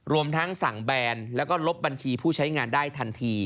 รวมทั้งสั่งแบนแล้วก็ลบบัญชีผู้ใช้งานได้ทันที